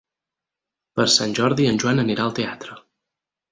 Per Sant Jordi en Joan anirà al teatre.